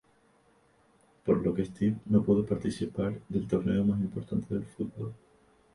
Por lo que Steve no pudo participar del torneo más importante del fútbol.